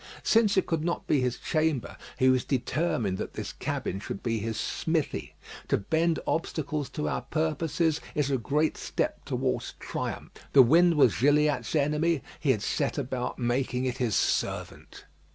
Since it could not be his chamber, he was determined that this cabin should be his smithy. To bend obstacles to our purposes is a great step towards triumph. The wind was Gilliatt's enemy. He had set about making it his servant.